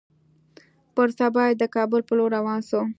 پر سبا يې د کابل پر لور روان سو.